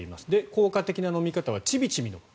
効果的な飲み方はちびちび飲む。